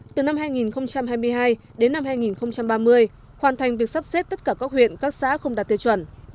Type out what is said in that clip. từ năm hai nghìn hai mươi hai đến năm hai nghìn ba mươi hoàn thành việc sắp xếp tất cả các huyện các xã không đạt tiêu chuẩn